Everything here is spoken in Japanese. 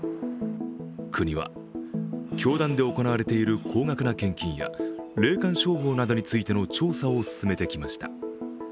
国は、教団で行われている高額な献金や、霊感商法などについての調査を進めてきました